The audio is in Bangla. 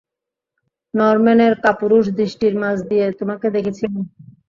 নরম্যানের কাপুরুষ দৃষ্টির মাঝ দিয়ে তোমাকে দেখেছি আমি।